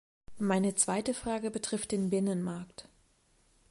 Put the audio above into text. Meine zweite Frage betrifft den Binnenmarkt.